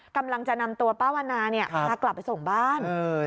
กำลังจะนำตัวป้าวันนาพากลับไปส่งบ้าน